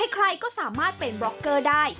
ใครก็สามารถเป็นบล็อกเกอร์ได้